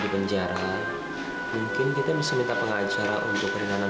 ibu savez masuk kabinet dengan kebenaran yg lainnya